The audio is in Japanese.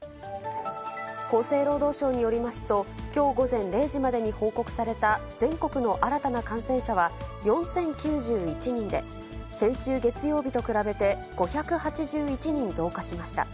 厚生労働省によりますと、きょう午前０時までに報告された、全国の新たな感染者は４０９１人で、先週月曜日と比べて５８１人増加しました。